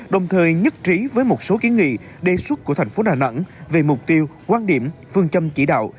đồng thời nhất trí với một số kiến nghị đề xuất của thành phố đà nẵng về mục tiêu quan điểm phương châm chỉ đạo